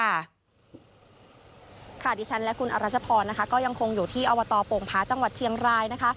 ค่ะดิฉันและคุณอรัชพรนะคะก็ยังคงอยู่ที่อบตโป่งพาจังหวัดเชียงรายนะคะ